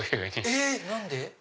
えっ何で？